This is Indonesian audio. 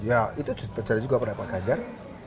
ya itu terjadi juga pada pak ganjar